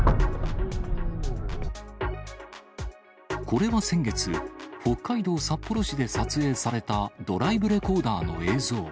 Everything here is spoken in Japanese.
これは先月、北海道札幌市で撮影されたドライブレコーダーの映像。